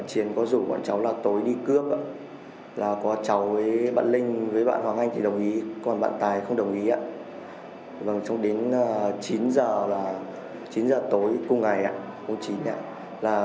cháu mặc một áo mưa và bạn linh cũng mặc một áo mưa